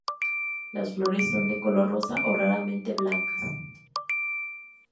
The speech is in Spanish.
Las flores son de color rosa o raramente blancas.